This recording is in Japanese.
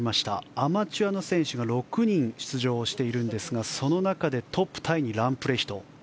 アマチュアの選手が６人出場していますがその中でトップタイにランプレヒト。